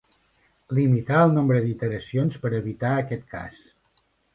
Limitar el nombre d'iteracions per evitar aquest cas.